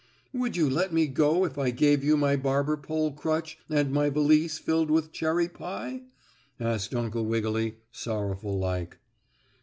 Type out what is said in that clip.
"Would you let me go if I gave you my barber pole crutch and my valise filled with cherry pie?" asked Uncle Wiggily, sorrowful like.